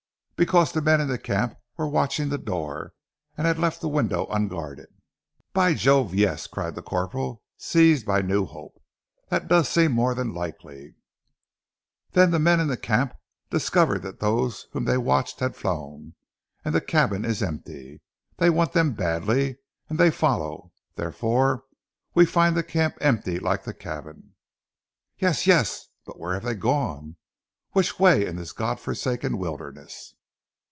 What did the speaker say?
Because the men in the camp were watching the door, and had left the window unguarded." "By Jove, yes," cried the corporal, seized by new hope. "That does seem more than likely." "Then the men in the camp discover that those whom they watch have flown, and the cabin is empty. They want them badly, and they follow, therefore we find the camp empty like the cabin." "Yes! Yes! But where have they gone? Which way in this God forsaken wilderness?"